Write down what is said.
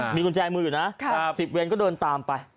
มีกุญแจมืออยู่นะ๑๐เวรก็เดินตามไป